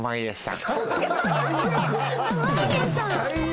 最悪！